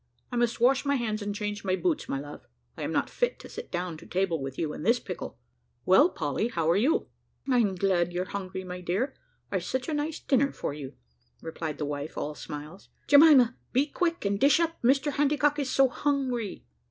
I must wash my hands and change my boots, my love; I am not fit to sit down to table with you in this pickle. Well, Polly, how are you?" "I'm glad you're hungry, my dear, I've such a nice dinner for you," replied the wife, all smiles. "Jemima, be quick, and dish up Mr Handycock is so hungry."